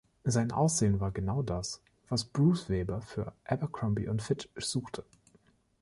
Sein Aussehen war genau das, was Bruce Weber für Abercrombie und Fitch suchte.